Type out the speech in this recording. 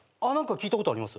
聞いたことあります。